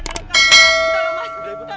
ya udah kita bisa